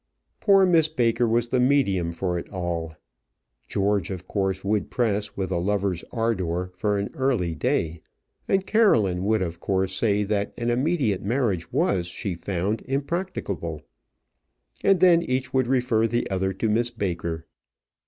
Poor Miss Baker was the medium for it all. George of course would press with a lover's ardour for an early day; and Caroline would of course say that an immediate marriage was, she found, impracticable. And then each would refer the other to Miss Baker.